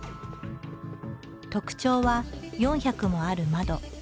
特徴は４００もある窓。